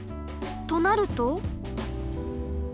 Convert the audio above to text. となると。